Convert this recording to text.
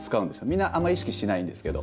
みんなあんまり意識しないんですけど。